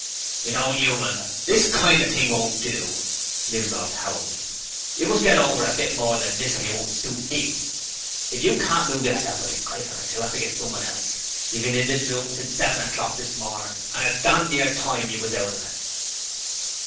'You know, Newman, this kind of thing won't do!' Nimrod howled. 'You must get over a bit more than this or you won't suit me! If you can't move yourself a bit quicker I shall 'ave to get someone else. You've been in this room since seven o'clock this morning and it's dam near time you was out of it!'